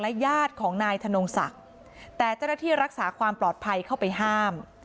ญาติของนายธนงศักดิ์แต่เจ้าหน้าที่รักษาความปลอดภัยเข้าไปห้าม